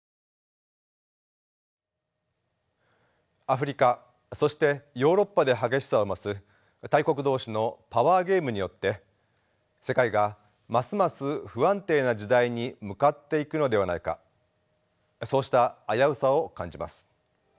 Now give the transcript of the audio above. アフリカそしてヨーロッパで激しさを増す大国同士のパワーゲームによって世界がますます不安定な時代に向かっていくのではないかそうした危うさを感じます。